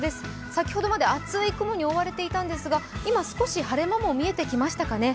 先ほどまで厚い雲に覆われていたんですが今、少し晴れ間も見えてきましたかね。